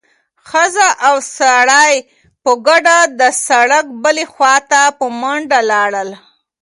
ښځه او سړی په ګډه د سړک بلې خوا ته په منډه لاړل.